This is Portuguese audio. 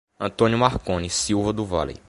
Antônio Marcone Silva do Vale